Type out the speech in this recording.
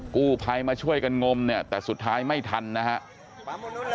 กู้ภัยมาช่วยกันงมเนี่ยแต่สุดท้ายไม่ทันนะครับ